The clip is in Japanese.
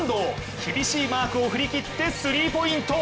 厳しいマークを振り切ってスリーポイント。